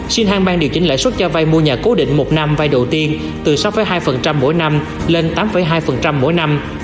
xin han bang điều chỉnh lãi suất cho vay mua nhà cố định một năm vay đầu tiên từ sáu hai mỗi năm lên tám hai mỗi năm